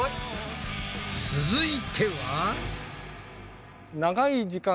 続いては？